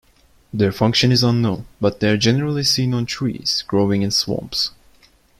Their function is unknown, but they are generally seen on trees growing in swamps.